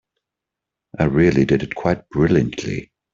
I really did it quite brilliantly.